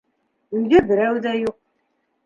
Өйҙә берәү ҙә юҡ.